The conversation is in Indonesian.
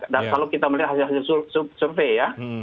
dan selalu kita melihat hasil hasil survei ya